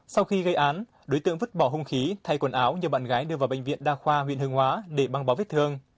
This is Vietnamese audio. sau khi gây án đối tượng vứt bỏ hung khí thay quần áo nhờ bạn gái đưa vào bệnh viện đa khoa huyện hương hóa để băng bó vết thương